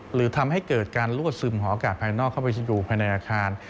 หรือทำให้เกิดการรั่วซึมของอากาศภายนอกเข้าไปดูภายในอาคาร